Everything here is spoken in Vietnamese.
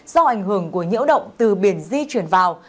do ảnh hưởng của nhiễu động từ biển di chuyển vào